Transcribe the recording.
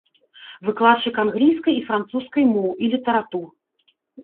Выкладчык англійскай і французскай моў і літаратур.